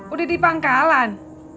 udah di pangkalan